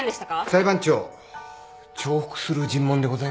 裁判長重複する尋問でございます。